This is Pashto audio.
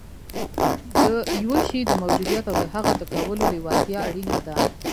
د یوه شي د موجودیت او د هغه د کولو لېوالتیا اړینه ده